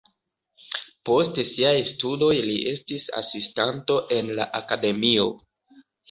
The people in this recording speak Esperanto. Post siaj studoj li estis asistanto en la akademio.